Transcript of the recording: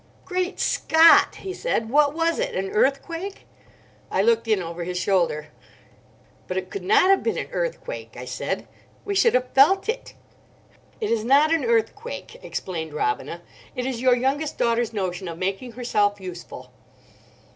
"Great Scott!" he said. "What was it—an earthquake?" I looked in over his shoulder. "But it could not have been an earthquake," I said. "We should have felt it." "It is not an earthquake," explained Robina. "It is your youngest daughter's notion of making herself useful."